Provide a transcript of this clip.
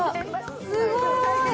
すごい。